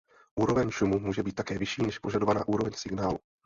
Úroveň šumu může být také vyšší než požadovaná úroveň signálu.